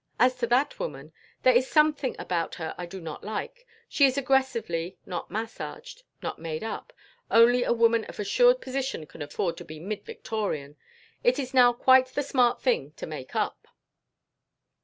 As to that woman: there is something about her I do not like. She is aggressively not massaged, not made up. Only a woman of assured position can afford to be mid Victorian. It is now quite the smart thing to make up."